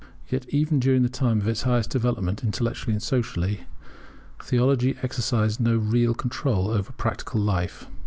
Yet even during the time of its highest development, intellectually and socially, theology exercised no real control over practical life.